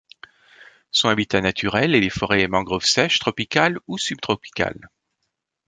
Son habitat naturel est les forêts et mangroves sèches tropicales ou subtropicales.